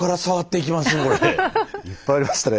いっぱいありましたねぇ。